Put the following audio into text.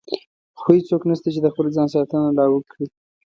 خو هېڅوک نشته چې د خپل ځان ساتنه لا وکړي.